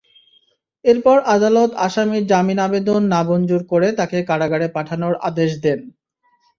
এরপর আদালত আসামির জামিন আবেদন নামঞ্জুর করে তাঁকে কারাগারে পাঠানোর আদেশ দেন।